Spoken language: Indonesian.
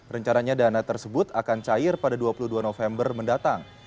rencananya dana tersebut akan cair pada dua puluh dua november mendatang